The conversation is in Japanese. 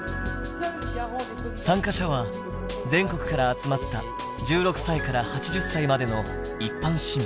参加者は全国から集まった１６歳から８０歳までの一般市民。